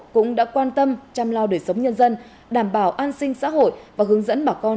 cũng đã quan tâm chăm lo đời sống nhân dân đảm bảo an sinh xã hội và hướng dẫn bà con